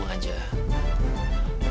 liat kayak belam